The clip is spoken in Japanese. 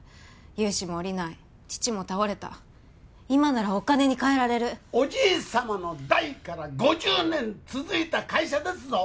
融資もおりない父も倒れた今ならお金に変えられるおじいさまの代から５０年続いた会社ですぞ！